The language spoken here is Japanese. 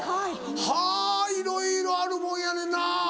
はぁいろいろあるもんやねんな！